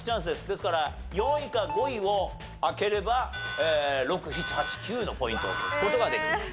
ですから４位か５位を開ければ６７８９のポイントを消す事ができます。